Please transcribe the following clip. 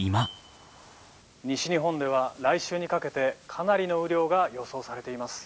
「西日本では来週にかけてかなりの雨量が予想されています」。